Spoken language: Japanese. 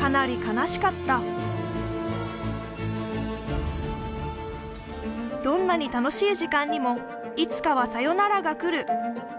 かなり悲しかったどんなに楽しい時間にもいつかはさよならが来る